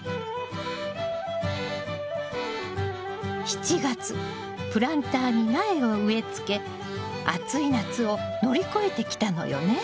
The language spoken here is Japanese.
７月プランターに苗を植えつけ暑い夏を乗り越えてきたのよね。